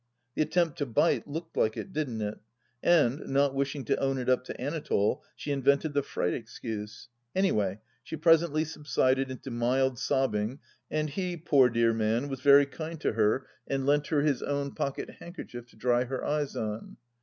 The attempt to bite looked like it, didn't it ? And, not wishing to own it up to Anatole, she invented the fright excuse. Any way, she presently subsided into mild sobbing and he, poor dear man, was very kind to her and lent THE LAST DITCH 89 her his own pocket handkerchief to dry her eyes on.